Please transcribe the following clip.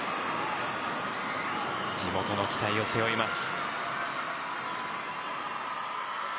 地元の期待を背負います。